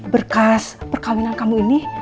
berkas perkahwinan kamu ini